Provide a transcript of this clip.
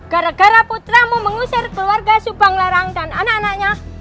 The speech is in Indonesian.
gara gara putramu mengusir keluarga subang larang dan anak anaknya